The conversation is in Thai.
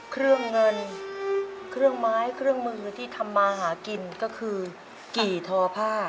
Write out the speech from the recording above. เครื่องเงินเครื่องไม้เครื่องมือที่ทำมาหากินก็คือกี่ทอผ้า